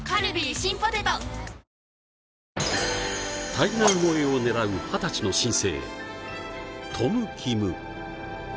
タイガー超えを狙う二十歳の新星、トム・キム。